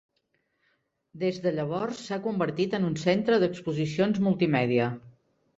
Des de llavors s'ha convertit en un centre d'exposicions multimèdia.